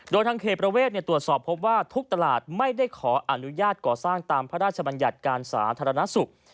โดยทางเขตประเวทตรวจสอบพบว่าทุกตลาดไม่ได้ขออนุญาตก่อสร้างตามพระราชบัญญัติการสาธารณสุข